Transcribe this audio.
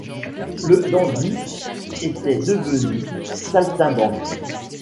Le dandy était devenu saltimbanque.